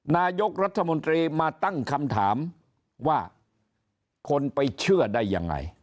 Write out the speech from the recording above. นายกรัฐมนตรีมาตั้งคำถามว่าคนไปเชื่อได้ยังไง